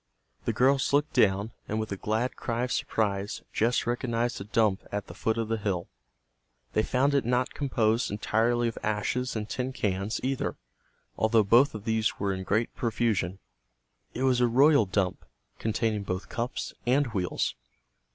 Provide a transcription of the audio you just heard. The girls looked down, and with a glad cry of surprise Jess recognized a dump at the foot of the hill. They found it not composed entirely of ashes and tin cans, either, although both of these were there in great profusion. It was a royal dump, containing both cups and wheels.